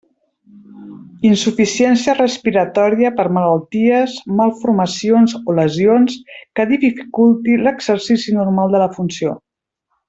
Insuficiència respiratòria per malalties, malformacions o lesions, que dificulti l'exercici normal de la funció.